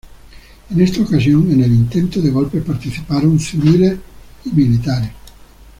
En esta ocasión en el intento de golpe participaron civiles y militares.